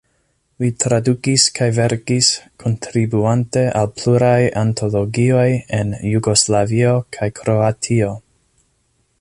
Li tradukis kaj verkis, kontribuante al pluraj antologioj en Jugoslavio kaj Kroatio.